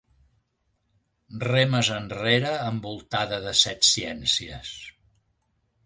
Remes enrere envoltada de setciències.